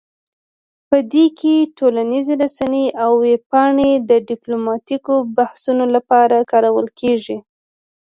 په دې کې ټولنیز رسنۍ او ویب پاڼې د ډیپلوماتیکو بحثونو لپاره کارول کیږي